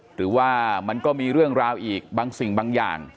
หรือว่ามันก็มีเรื่องราวอีกบางสิ่งบางอย่าง